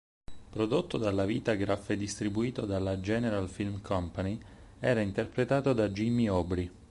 Prodotto dalla Vitagraph e distribuito dalla General Film Company, era interpretato da Jimmy Aubrey.